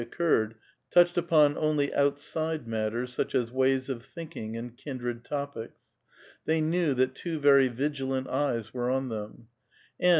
jjjpirred, touched upon onl}'^ outside matters, such as ^\;■. f fthinktnjTSffld kindred topics. They knew that two very vigiia *,f art^ii were on them. And.